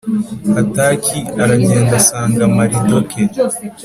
hataki aragenda asanga maridoke